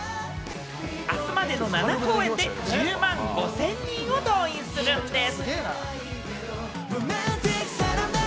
あすまでの７公演で１０万５０００人を動員するんでぃす。